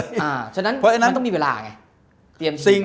เพราะฉะนั้นมันต้องมีเวลาไง